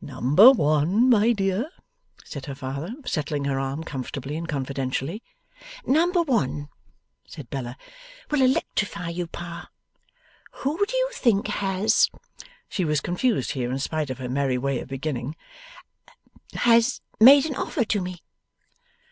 'Number one, my dear?' said her father, settling her arm comfortably and confidentially. 'Number one,' said Bella, 'will electrify you, Pa. Who do you think has' she was confused here in spite of her merry way of beginning 'has made an offer to me?